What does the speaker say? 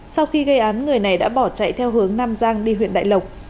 sau khi gây án người này đã bỏ chạy theo hướng nam giang đi huyện đại lộc